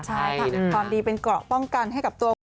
ใช่ค่ะความดีเป็นเกราะป้องกันให้กับตัวคุณ